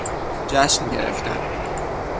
جشن گرفتن